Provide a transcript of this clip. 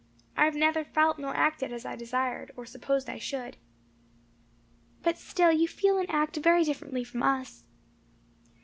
"I have neither felt nor acted as I desired, or supposed I should." "But still you feel and act very differently from us."